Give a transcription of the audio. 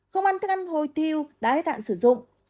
không ăn thức ăn hôi tiêu đã hết hạn sử dụng